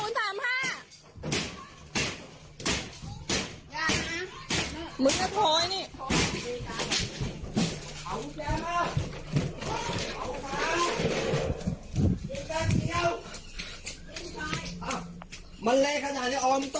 ขาไปเจาะดีนะ